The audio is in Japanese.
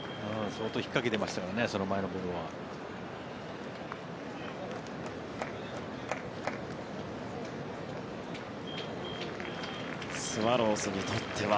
相当引っかけていましたからねその前のボールは。